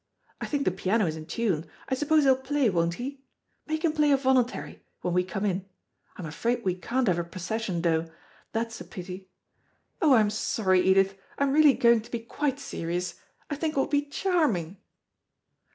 I think the piano is in tune. I suppose he'll play, won't he? Make him play a voluntary, when we come in. I'm afraid we can't have a procession though. That's a pity. Oh, I'm sorry, Edith. I'm really going to be quite serious. I think it will be charming."